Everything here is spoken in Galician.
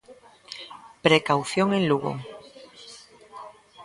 Precaución en Lugo.